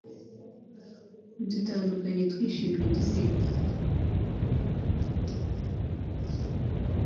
dutandukanye twishimye duseka